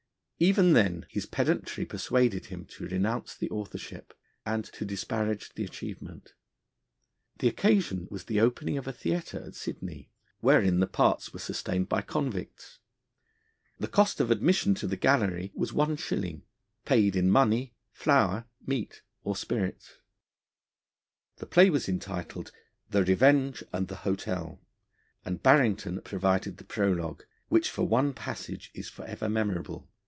Even then his pedantry persuaded him to renounce the authorship, and to disparage the achievement. The occasion was the opening of a theatre at Sydney, wherein the parts were sustained by convicts. The cost of admission to the gallery was one shilling, paid in money, flour, meat, or spirits. The play was entitled The Revenge and the Hotel, and Barrington provided the prologue, which for one passage is for ever memorable.